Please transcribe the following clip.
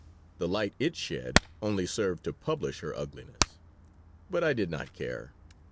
The light it shed only served to publish her ugliness. But I did not care.